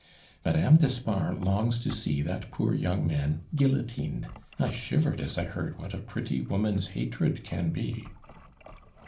"Madame d'Espard longs to see that poor young man guillotined. I shivered as I heard what a pretty woman's hatred can be!"